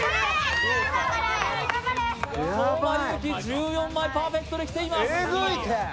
相馬勇紀、１４枚パーフェクトで来ています。